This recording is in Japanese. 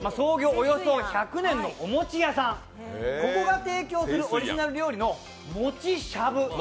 およそ１００年のお餅屋さん、ここが提供するオリジナル料理の餅しゃぶ。